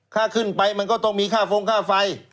ค่าขึ้นไปมันก็ต้องมีค่าฟงค่าไฟ